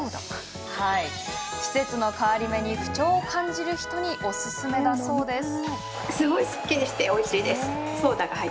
季節の変わり目に不調を感じる人におすすめだそうです。